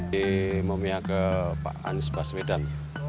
dia memilih anies baswedan